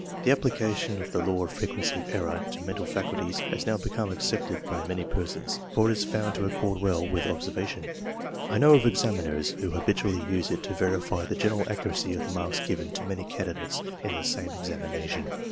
The application of the law of frequency of error to mental faculties has now become accepted by many persons, for it is found to accord well with observation. I know of exam iners who habitually use it to verify the general accuracy of the marks given to many candidates in the same examina tion.